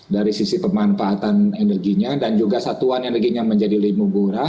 dari sisi pemanfaatan energinya dan juga satuan energinya menjadi lebih murah